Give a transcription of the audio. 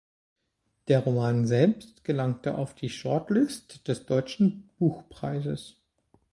Der Roman selbst gelangte auf die Shortlist des Deutschen Buchpreises.